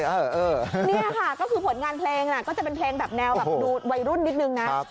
นี่ค่ะก็คือผลงานเพลงก็จะเป็นเพลงแบบแนวแบบดูวัยรุ่นนิดนึงนะ